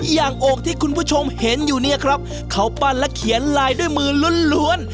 อกที่คุณผู้ชมเห็นอยู่เนี่ยครับเขาปั้นและเขียนลายด้วยมือล้วน